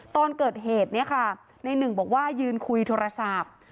ตอนเกิดเหตุเนี่ยค่ะในหนึ่งบอกว่ายืนคุยโทรศัพท์